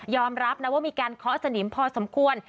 รับนะว่ามีการเคาะสนิมพอสมควร